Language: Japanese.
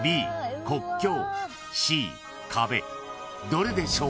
［どれでしょう？］